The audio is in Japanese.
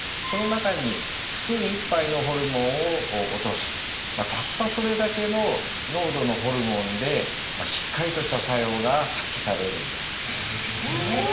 その中にスプーン１杯のホルモンを落とすたったそれだけの濃度のホルモンでしっかりとした作用が発揮されるんですえ！